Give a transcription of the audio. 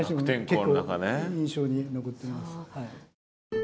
結構印象に残ってます。